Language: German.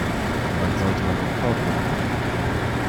Wann sollte man Unkraut rupfen?